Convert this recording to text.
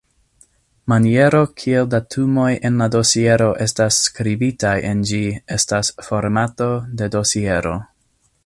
Maniero kiel datumoj en la dosiero estas skribitaj en ĝi estas formato de dosiero.